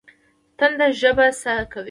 تنده ژبه څه کوي؟